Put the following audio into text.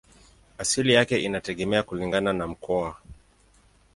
Asili yake inategemea kulingana na mkoa.